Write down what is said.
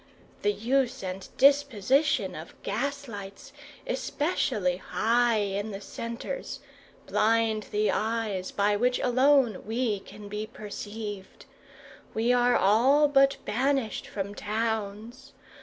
The use and the disposition of gaslights, especially high in the centres, blind the eyes by which alone we can be perceived. We are all but banished from towns.